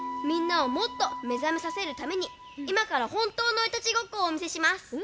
みんなをもっと目覚めさせるためにいまから本当のイタチごっこをおみせします。